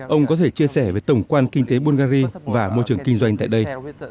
ông có thể chia sẻ về tổng quan kinh tế bungary và môi trường kinh doanh tại đây